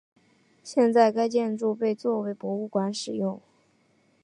现在该建筑被作为博物馆使用。